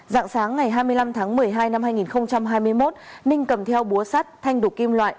dạng sáng ngày hai mươi năm tháng một mươi hai năm hai nghìn hai mươi một ninh cầm theo búa sắt thanh đủ kim loại